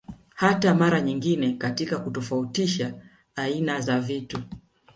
Hata mara nyingine katika kutofautisha aina za vitu